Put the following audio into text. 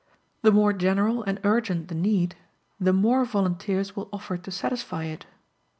The more general and urgent the need, the more volunteers will offer to satisfy it.